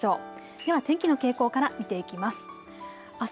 では天気の傾向から見ていきます。